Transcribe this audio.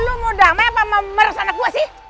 lu mau damai apa memeres anak gua sih